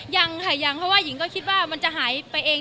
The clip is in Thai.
ยังค่ะยังเพราะว่าหญิงก็คิดว่ามันจะหายไปเอง